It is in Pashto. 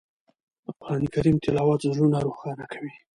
د قرآن کریم تلاوت زړونه روښانه کوي.